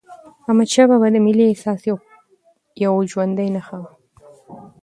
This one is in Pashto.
احمدشاه بابا د ملي احساس یوه ژوندي نښه وه.